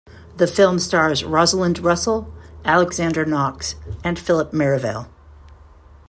The film stars Rosalind Russell, Alexander Knox, and Philip Merivale.